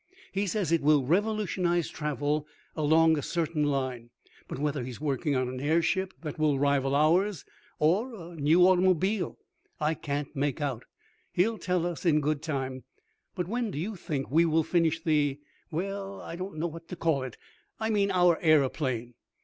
He says it will revolutionize travel along a certain line, but whether he is working on an airship that will rival ours, or a new automobile, I can't make out. He'll tell us in good time. But when do you think we will finish the well, I don't know what to call it I mean our aeroplane?"